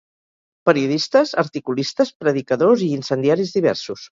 periodistes, articulistes, predicadors i incendiaris diversos